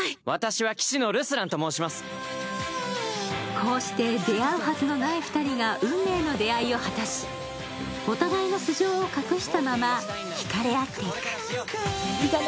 こうして出会うはずのない２人が運命の出会いを果たし、お互いの素性を隠したままひかれ合っていく。